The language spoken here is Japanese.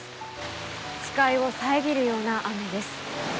視界を遮るような雨です。